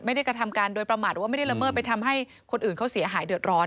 กระทำการโดยประมาทหรือว่าไม่ได้ละเมิดไปทำให้คนอื่นเขาเสียหายเดือดร้อน